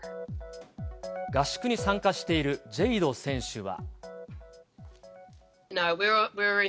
合宿に参加しているジェイド選手は。